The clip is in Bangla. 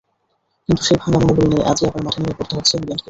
কিন্তু সেই ভাঙা মনোবল নিয়ে আজই আবার মাঠে নেমে পড়তে হচ্ছে ইংল্যান্ডকে।